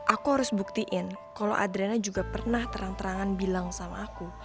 aku harus buktiin kalau adrena juga pernah terang terangan bilang sama aku